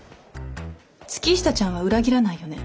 月下ちゃんは裏切らないよね？